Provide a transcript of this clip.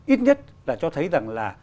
ít nhất là cho thấy rằng là